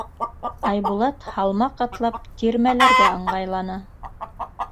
Айбулат, һалмаҡ атлап, тирмәләргә ыңғайланы.